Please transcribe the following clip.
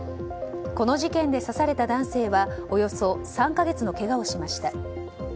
この事件で刺された男性はおよそ３か月のけがをしました。